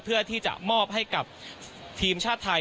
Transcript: เพื่อที่จะมอบให้กับทีมชาติไทย